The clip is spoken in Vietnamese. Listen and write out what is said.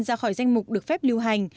ra khỏi danh mục được phép lưu hành